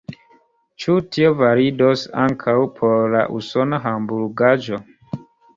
Ĉu tio validos ankaŭ por la usona hamburgaĵo?